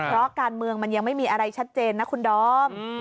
เพราะการเมืองมันยังไม่มีอะไรชัดเจนนะคุณดอม